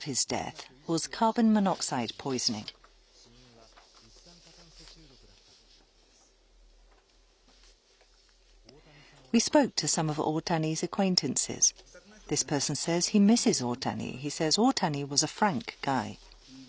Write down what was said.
死因は一酸化炭素中毒だったということです。